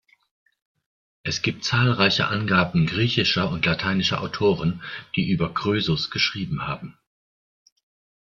Es gibt zahlreiche Angaben griechischer und lateinischer Autoren, die über Krösus geschrieben haben.